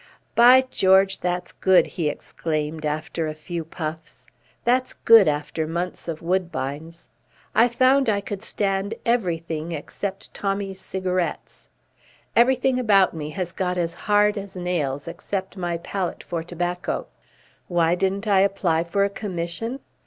"By George, that's good," he exclaimed after a few puffs. "That's good after months of Woodbines. I found I could stand everything except Tommy's cigarettes. Everything about me has got as hard as nails, except my palate for tobacco .... Why didn't I apply for a commission?